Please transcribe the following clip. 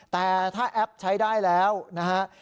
แต่ถ้าแอปใช้ได้แล้วนะฮะ